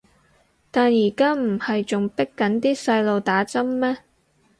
但而家唔係仲迫緊啲細路打針咩